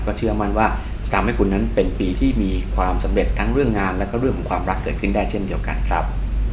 เชื่อมั่นว่าจะทำให้คุณนั้นเป็นปีที่มีความสำเร็จทั้งเรื่องงานแล้วก็เรื่องของความรักเกิดขึ้นได้เช่นเดียวกันครับ